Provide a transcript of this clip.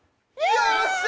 よっしゃ！